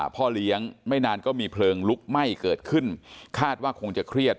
พ่อเลี้ยงไม่นานก็มีเพลิงลุกไหม้เกิดขึ้นคาดว่าคงจะเครียด